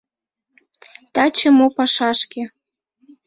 «Таче мо пашашке